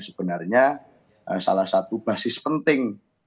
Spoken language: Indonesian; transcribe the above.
sebenarnya salah satu basis penting